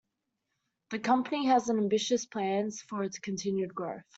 The company has ambitious plans for its continued growth.